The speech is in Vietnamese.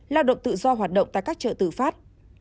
lao động tự do hoạt động tại các chợ tử phát